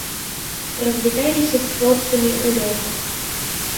Развіталіся з хлопцамі ў лёхах.